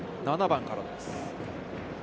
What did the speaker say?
７番からです。